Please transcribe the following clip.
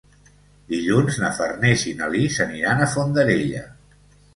Dilluns na Farners i na Lis aniran a Fondarella.